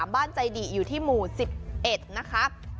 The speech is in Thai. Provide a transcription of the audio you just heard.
บ้านใจดีอยู่ที่หมู่๑๑นะคะ